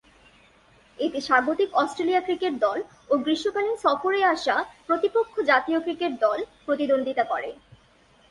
এতে স্বাগতিক Australia cricket দল ও গ্রীষ্মকালীন সফরে আসা প্রতিপক্ষ জাতীয় ক্রিকেট দল প্রতিদ্বন্দ্বিতা করে।